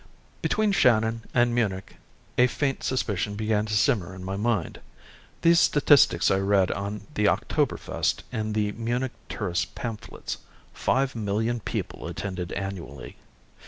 Between Shannon and Munich a faint suspicion began to simmer in my mind. These statistics I read on the Oktoberfest in the Munich tourist pamphlets. Five million people attended annually.